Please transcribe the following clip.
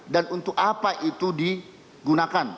dan untuk apa itu digunakan